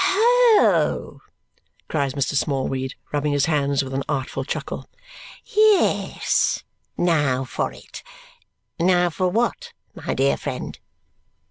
"Ho!" cries Mr. Smallweed, rubbing his hands with an artful chuckle. "Yes. Now for it. Now for what, my dear friend?"